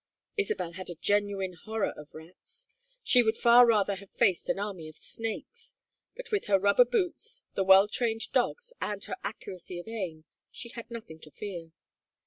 Isabel had a genuine horror of rats. She would far rather have faced an army of snakes; but with her rubber boots, the well trained dogs, and her accuracy of aim, she had nothing to fear.